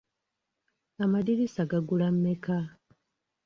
Amadirisa gagula mmeka?